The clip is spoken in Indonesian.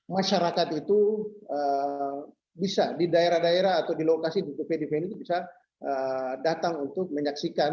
masyarakat itu bisa di daerah daerah atau di lokasi tvdv ini bisa datang untuk menyaksikan